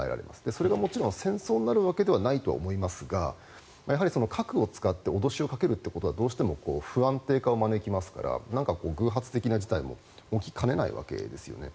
それがもちろん戦争になるわけではないと思いますがやはり、核を使って脅しをかけるということはどうしても不安定化を招きますから偶発的な事態も起きかねないわけですよね。